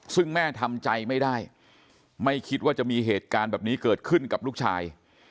ซึ่งแม่ทำใจไม่ได้ไม่คิดว่าจะมีเหตุการณ์แบบนี้เกิดขึ้นกับลูกชาย